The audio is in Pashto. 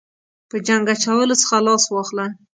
په جنګ اچولو څخه لاس واخله.